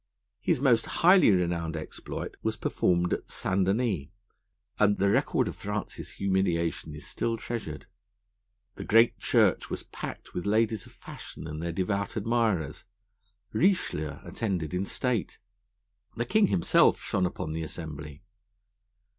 His most highly renowned exploit was performed at St. Denis, and the record of France's humiliation is still treasured. The great church was packed with ladies of fashion and their devout admirers. Richelieu attended in state; the king himself shone upon the assembly.